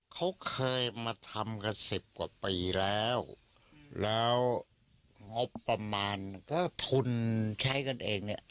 เขาเคยมาทำกันสิบกว่าปีแล้วแล้วงบประมาณก็ทุนใช้กันเองเนี่ย